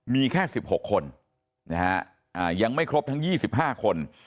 มีแค่๑๖คนยังไม่ครบทั้ง๒๕คน